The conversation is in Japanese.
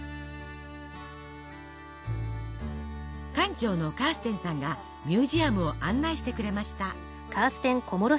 館長のカーステンさんがミュージアムを案内してくれました。